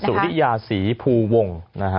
สุริยาศรีภูวงศ์